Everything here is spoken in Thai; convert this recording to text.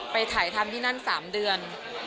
ไปถ่ายทำที่นั่น๓เดือน